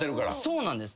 そうなんです。